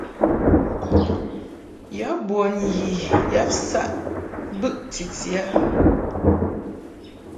Yɔ bun yi yab saʼ bɨʼ titi a.